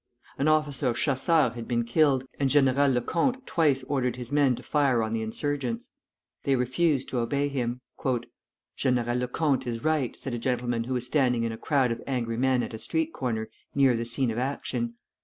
An officer of chasseurs had been killed, and General Lecomte twice ordered his men to fire on the insurgents. They refused to obey him. "General Lecomte is right," said a gentleman who was standing in a crowd of angry men at a street corner near the scene of action.